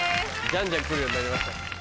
じゃんじゃん来るようになりました。